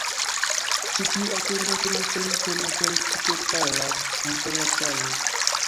Ĉi tiu, atendante malfeliĉon, aperis tute pala antaŭ la caro.